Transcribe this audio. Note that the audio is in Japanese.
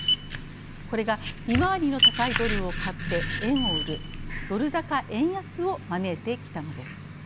これが利回りの高いドルを買って円を売るドル高円安を招いてきたのです。